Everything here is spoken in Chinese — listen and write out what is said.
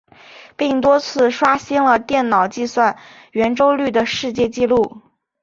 并多次刷新了电脑计算圆周率的世界纪录。